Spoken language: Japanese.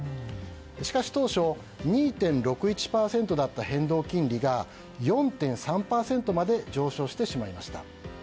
しかし、当初２．６１％だった変動金利が４．３％まで上昇してしまいました。